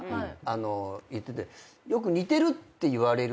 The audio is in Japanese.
よく似てるって言われる。